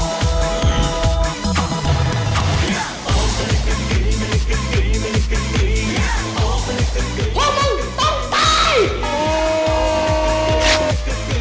บอกแล้วไงให้กลับ